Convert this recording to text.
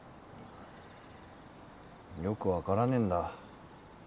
よくわからねえんだ。